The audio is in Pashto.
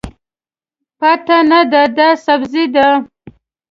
پته نه ده، دا سبزي ده.